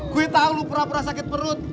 gue tau lo perah perah sakit perut